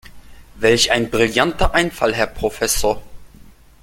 Welch ein brillanter Einfall, Herr Professor!